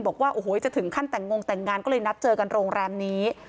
บอกว่าโอ้โหจะถึงขั้นแต่งงแต่งงานก็เลยนัดเจอกันโรงแรมนี้